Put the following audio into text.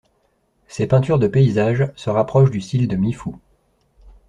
Ses peintures de paysages se rapproche du style de Mi Fu.